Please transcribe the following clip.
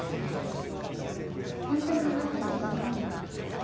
本当に皆さん優秀なんですね。